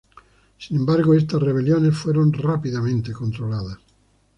Sin embargo, estas rebeliones fueron rápidamente controladas.